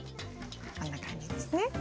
こんな感じですね。